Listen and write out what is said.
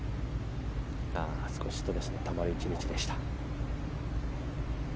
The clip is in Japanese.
少しストレスのたまる１日でした。